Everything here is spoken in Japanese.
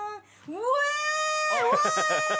うわ！